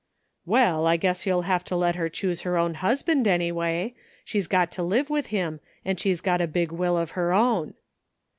" Well, I guess you'll have to let her choose her own husband, anyway. She's got to live with him, and she's got a big will of her own."